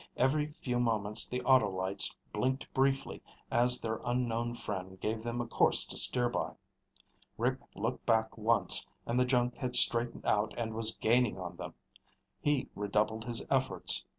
Every few moments the auto lights blinked briefly as their unknown friend gave them a course to steer by. Rick looked back once and the junk had straightened out and was gaining on them. He redoubled his efforts.